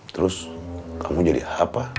terus kamu jadi apa